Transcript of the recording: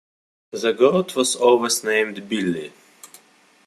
The goat was always named 'Billy'.